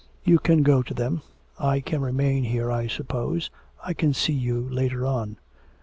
'You can go to them; I can remain here I suppose. I can see you later on.'